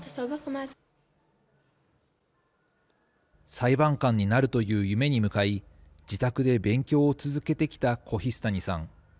裁判官になるという夢に向かい、自宅で勉強を続けてきたコヒスタニさん。